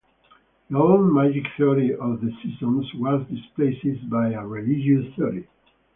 The old magic theory of the seasons was displaced by a religious theory.